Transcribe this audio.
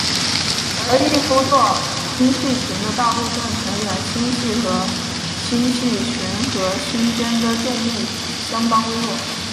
而玉夫座星系群的大部分成员星系和星系群核心间的重力相当微弱。